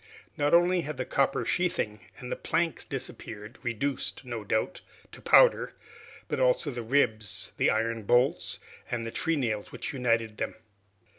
Not only had the copper sheathing and the planks disappeared, reduced, no doubt, to powder, but also the ribs, the iron bolts, and treenails which united them.